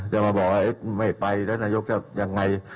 จะมาบอกว่าไม่ไปแล้วนายกจะยังไง